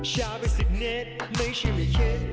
ช้าไปสิบนิดไม่ใช่ไม่คิด